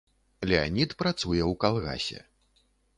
Леанід працуе ў калгасе.